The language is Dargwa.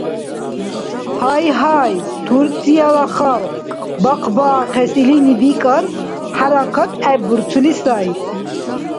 Гьайгьай. Турцияла халкь бахъбаахъес илини, бикӀар, хӀяракат гӀеббурцули сай.